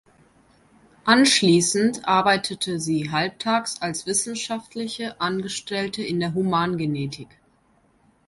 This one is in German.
Anschließend arbeitete sie halbtags als wissenschaftliche Angestellte in der Humangenetik.